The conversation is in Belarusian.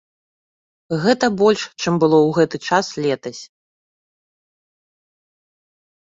Гэта больш, чым было ў гэты час летась.